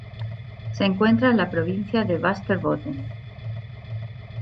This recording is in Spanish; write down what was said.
Se encuentra en la provincia de Västerbotten.